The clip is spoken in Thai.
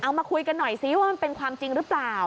มาคุยกันหน่อยซิว่ามันเป็นความจริงหรือเปล่า